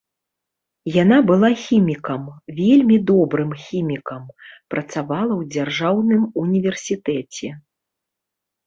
Яна была хімікам, вельмі добрым хімікам, працавала ў дзяржаўным універсітэце.